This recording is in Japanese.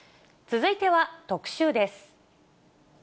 続いては、特集です。